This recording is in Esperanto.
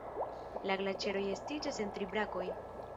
La glaĉero estiĝas en tri brakoj.